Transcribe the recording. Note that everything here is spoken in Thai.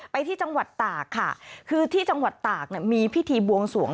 ไปที่จังหวัดตากค่ะคือที่จังหวัดตากมีพิธีบวงสวง